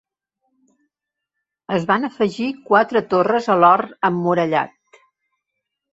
Es van afegir quatre torres a l'hort emmurallat.